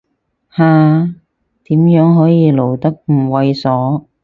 下，點樣可以露得唔猥褻